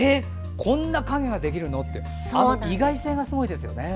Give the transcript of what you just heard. こんな影ができるのっていう意外性がすごいですよね。